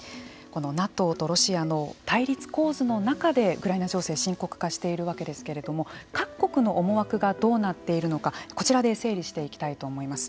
このＮＡＴＯとロシアの対立構図の中でウクライナ情勢深刻化しているわけですけれども各国の思惑がどうなっているのかこちらで整理していきたいと思います。